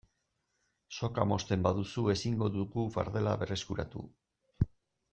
Soka mozten baduzu ezingo dugu fardela berreskuratu.